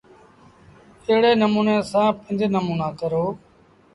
ايڙي نموٚني سآݩ پنج نموݩآ ڪرو۔